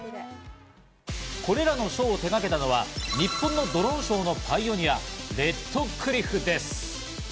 これらのショーを手がけたのは日本のドローンショーのパイオニア、レッドクリフです。